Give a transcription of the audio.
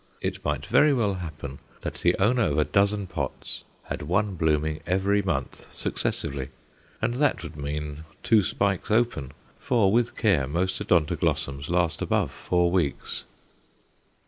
It might very well happen that the owner of a dozen pots had one blooming every month successively. And that would mean two spikes open, for, with care, most Odontoglossums last above four weeks.